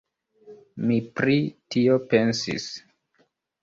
Mi pri tio pensis.